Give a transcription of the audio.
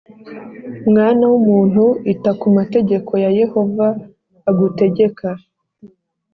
Mwana w umuntu ita kumategeko ya yehova agutegeka